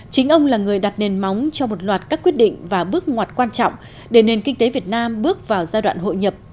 chính ông là người đặt nền móng cho một loạt các quyết định và bước ngoặt quan trọng để nền kinh tế việt nam bước vào giai đoạn hội nhập